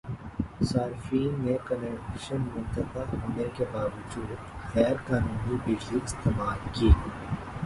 صارفین نے کنکشن منقطع ہونے کے باوجودغیرقانونی بجلی استعمال کی